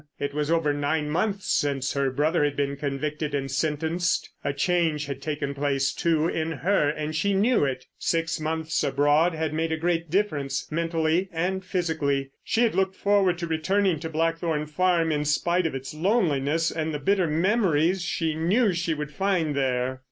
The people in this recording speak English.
It was over nine months since her brother had been convicted and sentenced. A change had taken place, too, in her, and she knew it. Six months abroad had made a great difference—mentally and physically. She had looked forward to returning to Blackthorn Farm in spite of its loneliness and the bitter memories she knew she would find there.